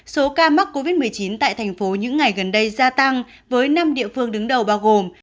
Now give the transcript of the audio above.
số ca mắc covid một mươi chín tại thành phố những ngày gần đây gia tăng với năm địa phương đứng đầu bao gồm